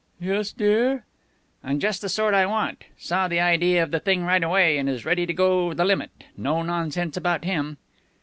"Yes, dear?" "And just the sort I want. Saw the idea of the thing right away, and is ready to go the limit. No nonsense about him."